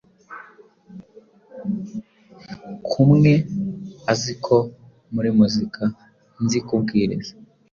Kumwe aziko muri muzika nzi kubwiriza